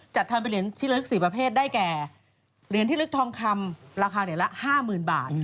จัดทำเป็นเหรียญที่ละลึก๔ประเภทได้แก่เหรียญที่ลึกทองคำราคาเหรียญละ๕๐๐๐บาท